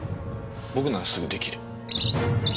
僕ならすぐできる。